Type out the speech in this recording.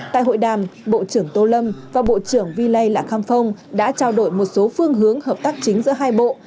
tại hội đàm bộ trưởng tô lâm và bộ trưởng vi lây lạc khăm phong đã trao đổi một số phương hướng hợp tác chính giữa hai bộ